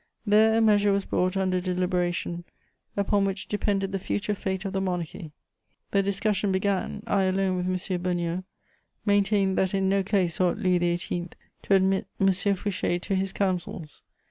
There a measure was brought under deliberation upon which depended the future fate of the monarchy. The discussion began: I, alone with M. Beugnot, maintained that in no case ought Louis XVIII. to admit M. Fouché to his counsels.